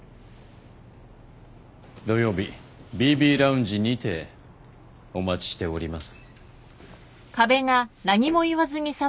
土曜日ＢＢＬｏｕｎｇｅにてお待ちしております。